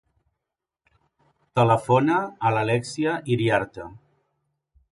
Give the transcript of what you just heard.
Telefona a l'Alèxia Iriarte.